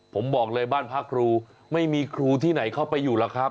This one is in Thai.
ผมบอกเลยบ้านพระครูไม่มีครูที่ไหนเข้าไปอยู่หรอกครับ